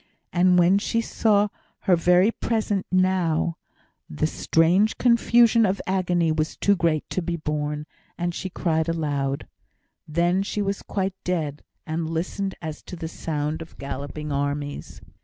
And when she saw her very present "Now," the strange confusion of agony was too great to be borne, and she cried aloud. Then she was quite dead, and listened as to the sound of galloping armies.